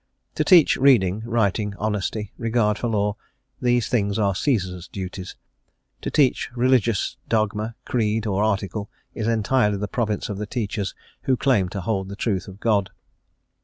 To teach reading, writing, honesty, regard for law, these things are Caesar's duties; to teach religious dogma, creed, or article, is entirely the province of the teachers who claim to hold the truth of God.